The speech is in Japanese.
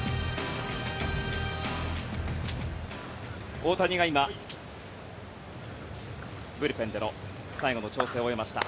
大谷が今、ブルペンでの最後の調整を終えました。